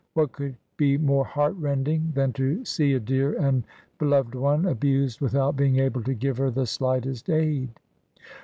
What could be more heart rending than to see a dear and beloved one abused without being able to give her the slightest aid?